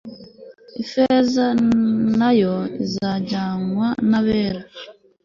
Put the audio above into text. ifeza na yo izajyanwa n'abere